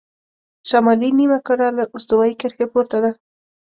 شمالي نیمهکره له استوایي کرښې پورته ده.